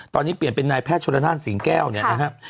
ตอนนี้เปลี่ยนเป็นนายแพทย์ชนานท่านเนี่ยนะฮะใช่ค่ะ